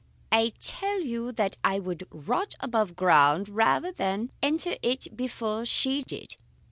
I tell you that I would rot above ground rather than enter it before she did?